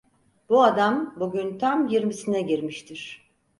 Bu adam, bugün tam yirmisine girmiştir…